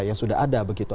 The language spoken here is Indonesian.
yang sudah ada begitu